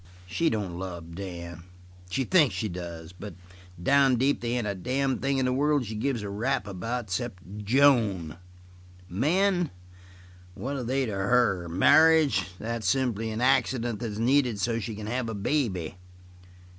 "She don't love Dan. She thinks she does, but down deep they ain't a damned thing in the world she gives a rap about exceptin' Joan. Men? What are they to her? Marriage? That's simply an accident that's needed so she can have a baby.